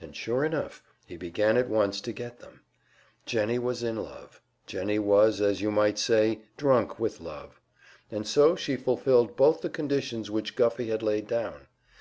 And sure enough, he began at once to get them. Jennie was in love; Jennie was, as you might say, "drunk with love," and so she fulfilled both the conditions which Guffey had laid down.